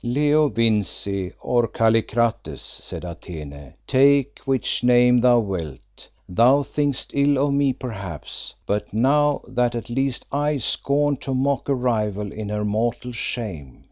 "Leo Vincey, or Kallikrates," said Atene, "take which name thou wilt; thou thinkest ill of me perhaps, but know that at least I scorn to mock a rival in her mortal shame.